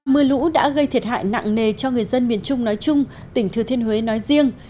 mưa lũ đã gây thiệt hại nặng nề cho người dân miền trung nói chung tỉnh thừa thiên huế nói riêng